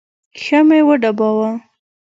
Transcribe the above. ښه مې وډباوه.